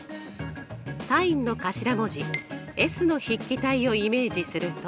ｓｉｎの頭文字ｓの筆記体をイメージすると。